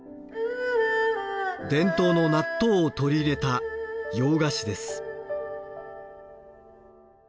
伝統の納豆を取り入れた洋菓子です。